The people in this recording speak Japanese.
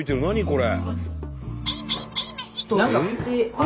これ。